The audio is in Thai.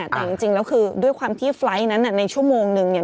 แต่จริงแล้วคือด้วยความที่ไฟล์ทนั้นในชั่วโมงนึงเนี่ย